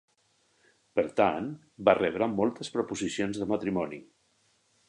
Per tant, va rebre moltes proposicions de matrimoni.